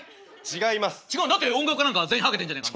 違うだって音楽家なんか全員ハゲてんじゃねえか。